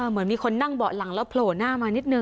เหมือนมีคนนั่งเบาะหลังแล้วโผล่หน้ามานิดนึ